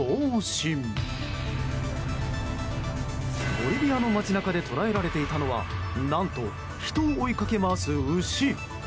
ボリビアの街中で捉えられていたのは何と、人を追いかけ回す牛。